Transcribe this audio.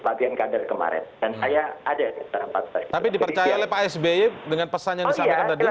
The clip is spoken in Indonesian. latihan kader kemarin dan saya ada terhampat tapi dipercayai pak sby dengan pesan yang disampaikan tadi